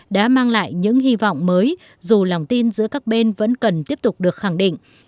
đã mang lại những hy vọng mới dù lòng tin giữa các bên vẫn cần tiếp tục được khẳng định